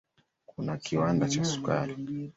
Kuna kiwanda cha sukari.